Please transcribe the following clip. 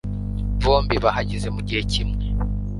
Bombi bahageze mugihe kimwe.